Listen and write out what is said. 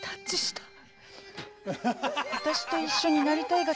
私と一緒になりたいがために？